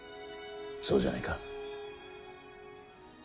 そうじゃないか？